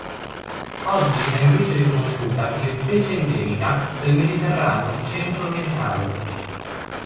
Oggi è invece riconosciuta come specie endemica del Mediterraneo centro-orientale.